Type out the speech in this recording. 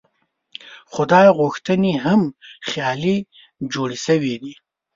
خو دا غوښتنې هم خیالي جوړې شوې دي.